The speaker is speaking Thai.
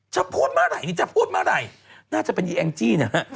จะพูดเมื่อไหร่จะพูดเมื่อไหร่น่าจะเป็นอีแองจี้นะฮะ